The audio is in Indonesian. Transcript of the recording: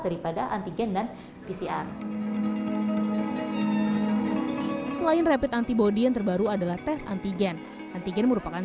daripada antigen dan pcr selain rapid antibody yang terbaru adalah tes antigen antigen merupakan